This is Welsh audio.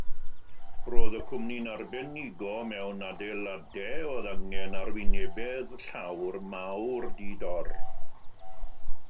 Roedd y cwmni'n arbenigo mewn adeiladau a oedd angen arwynebedd llawr mawr, di-dor.